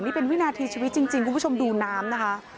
นี่เป็นวินาทีชีวิตจริงคุณผู้ชมดูน้ำนะคะ